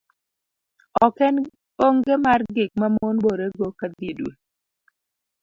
ok en onge mar gik mamon bore go ka dhiedwe